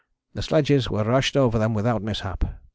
The sledges were rushed over them without mishap.